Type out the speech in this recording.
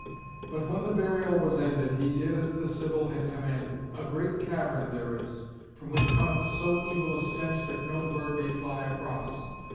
But when the burial was ended he did as the Sibyl had commanded. A great cavern there is, from which cometh so evil a stench that no bird may fly across.